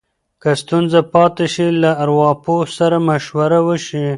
که ستونزه پاتې شي، له ارواپوه سره مشوره وشي.